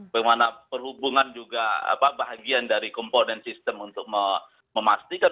bagaimana perhubungan juga bagian dari komponen sistem untuk memastikan